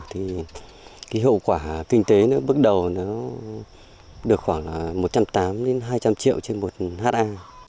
thì hiệu quả kinh tế bước đầu nó được khoảng một trăm tám mươi hai trăm linh triệu trên một hectare